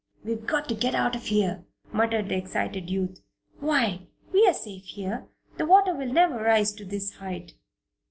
"We've got to get out of here!" muttered the excited youth. "Why, we are safe here. The water will never rise to this height."